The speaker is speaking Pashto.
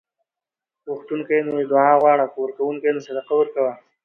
که غوښتونکی یې نو دعا غواړه؛ که ورکونکی یې نو صدقه ورکوه